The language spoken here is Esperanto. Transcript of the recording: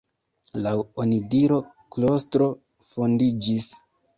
Laŭ onidiro klostro fondiĝis.